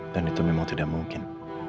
dan itu memang tidak mungkin